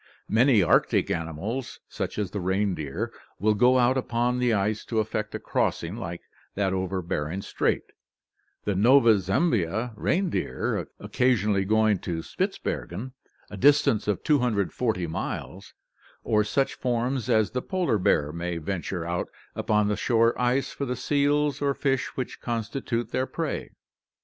Many Arctic animals, such as the reindeer, will go out upon the ice to effect a crossing like that over Bering Strait, the Nova Zembla reindeer occasionally going to Spitzbergen, a distance of 240 miles; or such forms as the polar bear may venture out upon the shore ice for the seals or fish which constitute their prey.